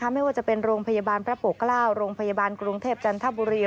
ไม่ว่าจะเป็นโรงพยาบาลพระปกเกล้าโรงพยาบาลกรุงเทพจันทบุรี